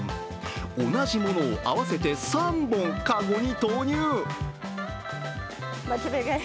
同じものを合わせて３本籠に投入！